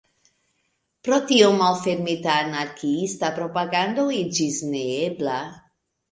Pro tio malfermita anarkiista propagando iĝis neebla.